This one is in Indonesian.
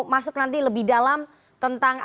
masuk nanti lebih dalam tentang